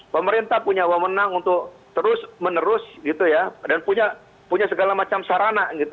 pemerintah punya wamenang untuk terus menerus gitu ya dan punya segala macam sarana gitu